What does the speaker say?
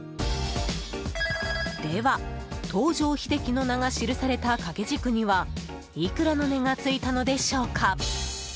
では、東條英機の名が記された掛け軸にはいくらの値がついたのでしょうか。